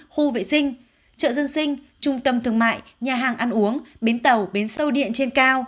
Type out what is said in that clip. khu vệ sinh chợ dân sinh trung tâm thương mại nhà hàng ăn uống bến tàu bến sâu điện trên cao